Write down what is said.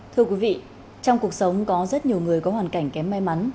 thưa quý vị trong cuộc sống có rất nhiều người có hoàn cảnh kém may mắn